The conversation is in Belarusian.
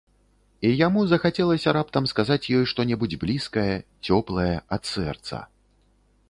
І яму захацелася раптам сказаць ёй што-небудзь блізкае, цёплае, ад сэрца.